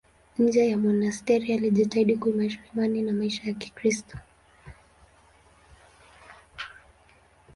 Nje ya monasteri alijitahidi kuimarisha imani na maisha ya Kikristo.